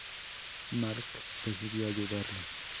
Mark decidió ayudarlos.